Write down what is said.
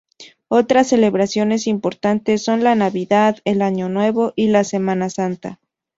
Otras celebraciones importantes son la Navidad, el Año Nuevo y la Semana Santa.